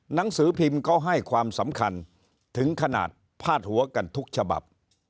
หนังสือพิมพ์ก็ให้ความสำคัญถึงขนาดพาดหัวกันทุกฉบับ